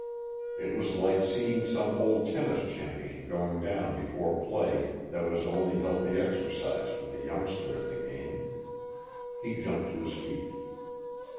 It was like seeing some old tennis champion going down before play that was only healthy exercise for the youngster in the game. He jumped to his feet.